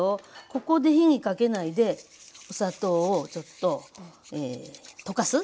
ここで火にかけないでお砂糖をちょっとえ溶かす。